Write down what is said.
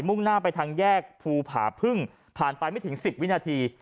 ่งหน้าไปทางแยกภูผาพึ่งผ่านไปไม่ถึง๑๐วินาที